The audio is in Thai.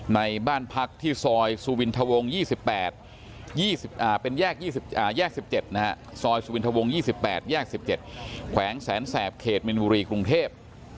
ในบ้านพักที่ซอยสุวินทวง๒๘แยก๑๗ขแขวงแสนแสบเขตมินฮุรีกรุงเทพฯ